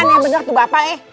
aneh bener tuh bapak eh